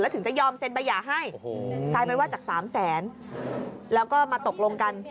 แล้วถึงจะยอมเซ็นต์ประหยาให้โอ้โหค่ะใช่ไหมว่าจากสามแสนแล้วก็มาตกลงกัน